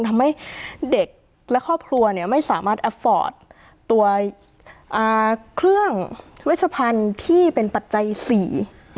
ทำให้เด็กแล้วครอบครัวไม่สามารถตัวเครื่องเวชพันธุ์ที่เป็นปัจจัยสี่